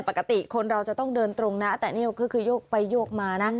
ปกติคนเราจะต้องเดินตรงนะแต่นี่ก็คือโยกไปโยกมานะ